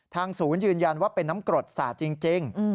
ศูนย์ยืนยันว่าเป็นน้ำกรดสาดจริง